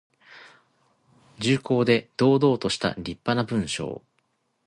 重厚で堂々としたりっぱな文章。